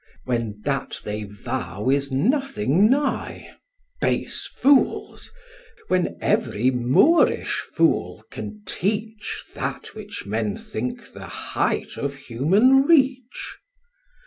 when that they vow is nothing nigh: Base fools! when every moorish fool can teach That which men think the height of human reach.